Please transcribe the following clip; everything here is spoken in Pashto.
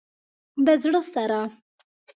د زړه سره